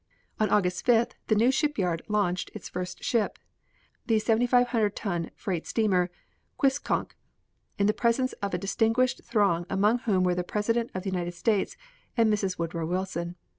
On August 5th the new shipyard launched its first ship, the 7,500 ton freight steamer, Quistconck, in the presence of a distinguished throng among whom were the President of the United States and Mrs. Woodrow Wilson.